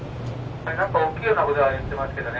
「何か大きいようなことは言ってますけどね」。